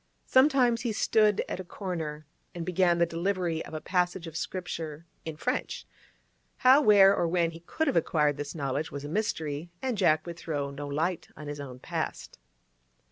Sometimes he stood at a corner and began the delivery of a passage of Scripture in French; how, where, or when he could have acquired this knowledge was a mystery, and Jack would throw no light on his own past.